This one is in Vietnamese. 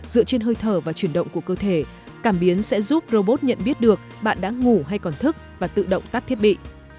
dựa trên hơi thở và chuyển động của cơ thể cảm biến sẽ giúp robot nhận biết được bạn đã ngủ hay còn thức và tự động tắt thiết bị